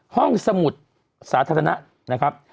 ห้องสมุทรสาธารณะนะครับ